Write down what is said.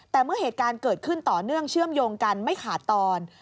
แต่เมื่อเหตุการณ์เกิดขึ้นต่อเนื่องเชื่อมโยงกันไม่ขาดตอน